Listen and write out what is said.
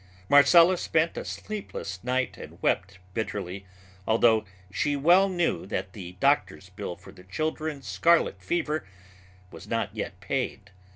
Marcella spent a sleepless night and wept bitterly, although she well knew that the doctor's bill for the children's scarlet fever was not yet paid.